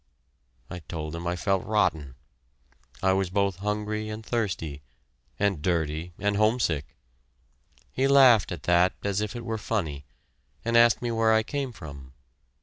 I told him I felt rotten. I was both hungry and thirsty and dirty and homesick. He laughed at that, as if it were funny, and asked me where I came from.